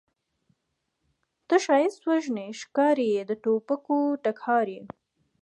ته ښایست وژنې ښکارې یې د توپکو ټکهار یې